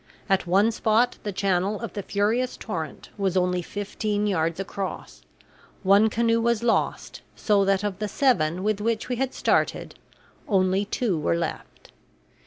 At one spot the channel of the furious torrent was only fifteen yards across. One canoe was lost, so that of the seven with which we had started only two were left.